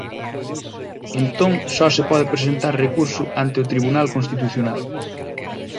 Entón só se pode presentar recurso ante o Tribunal Constitucional.